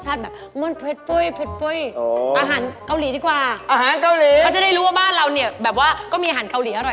อ๋อชั้นสมัยเขนแบบเยอรมัน๓ปัญดัยแบบเยอรมัน